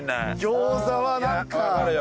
餃子はなんか。